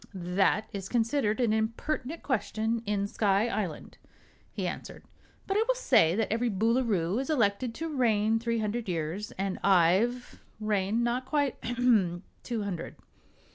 "That is considered an impertinent question in Sky Island," he answered; "but I will say that every Boolooroo is elected to reign three hundred years, and I've reigned not quite ahem! two hundred."